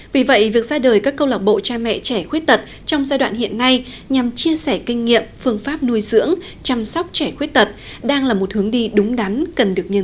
vì vậy việc ra đời các câu lạc bộ cha mẹ trẻ khuyết tật trong giai đoạn hiện nay nhằm chia sẻ kinh nghiệm phương pháp nuôi dưỡng chăm sóc trẻ khuyết tật đang là một hướng đi đúng đắn cần được nhân dân